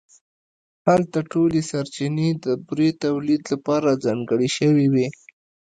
هلته ټولې سرچینې د بورې تولید لپاره ځانګړې شوې وې